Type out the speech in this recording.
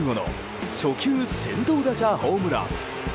試合開始直後の初球先頭打者ホームラン！